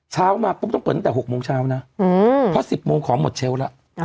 เช้ามาปุ๊บต้องเปิดตั้งแต่๖โมงเช้านะเพราะ๑๐โมงของหมดเชลล์แล้ว